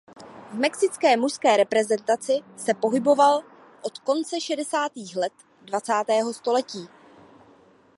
V mexické mužské reprezentaci se pohyboval od konce šedesátých let dvacátého století.